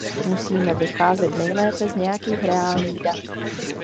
Musíme vycházet nejlépe z nějakých reálných dat.